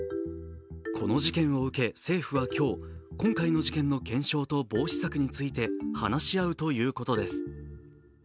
この事件を受け、政府は今日、今回の事件の検証と防止策について話し合うということです。